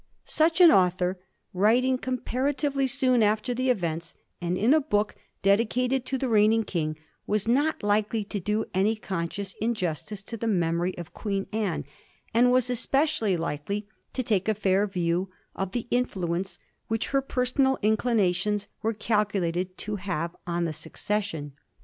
Such VOL. I. c Digiti zed by Google 18 A HISTORY OP THE FOUR GEORGES. ch. i, aa author, writing comparatively soon after the events, and in a book dedicated to the reigning king, was not likely to do any conscious injustice to the memory of Queen Anne, and was especially likely to take a fieur view of the influence which her personal inclinations were calculated to have on the succession.